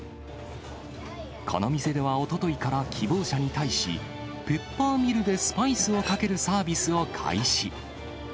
この店ではおとといから、希望者に対し、ペッパーミルでスパイスをかけるサービスを開始。